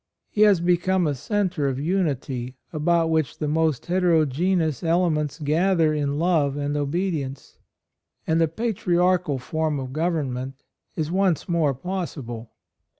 He has become a centre of unity, about which the most heterogeneous elements gather in love and obedience; and a patriarchal form of government is once more pos sible."